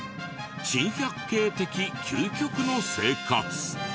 珍百景的究極の生活。